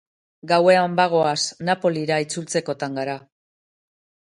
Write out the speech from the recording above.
Gauean bagoaz, Napolira itzultzekotan gara.